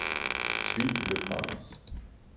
Suis le prince